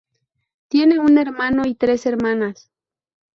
Tiene un hermano y tres hermanas.